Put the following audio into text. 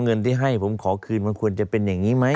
เงินที่ให้ผมขอคืนมันควรจะเป็นอย่างนี้ไหม